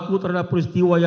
kita harus membuatnya